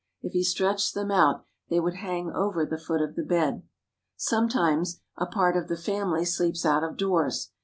If he stretched them out, they would hang over the foot of the bed. Sometimes a part of the family sleeps out of doors.